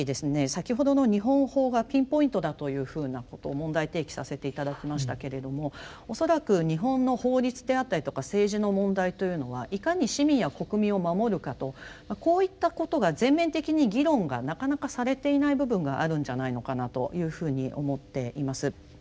先ほどの日本法がピンポイントだというふうなことを問題提起させて頂きましたけれども恐らく日本の法律であったりとか政治の問題というのはいかに市民や国民を守るかとこういったことが全面的に議論がなかなかされていない部分があるんじゃないのかなというふうに思っています。